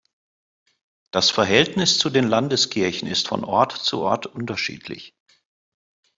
Das Verhältnis zu den Landeskirchen ist von Ort zu Ort unterschiedlich.